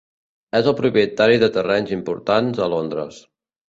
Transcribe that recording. És el propietari de terrenys importants a Londres.